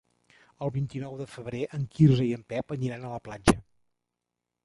El vint-i-nou de febrer en Quirze i en Pep aniran a la platja.